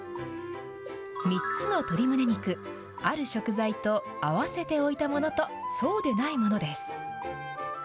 ３つの鶏むね肉、ある食材と合わせておいたものと、そうでないものです。